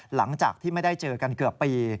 หลังจากที่ไม่ได้เจอกันเกือบปี